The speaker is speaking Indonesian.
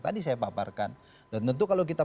tadi saya paparkan dan tentu kalau kita